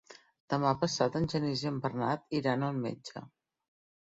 Demà passat en Genís i en Bernat iran al metge.